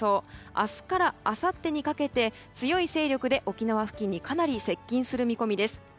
明日からあさってにかけて強い勢力で沖縄付近にかなり接近する見込みです。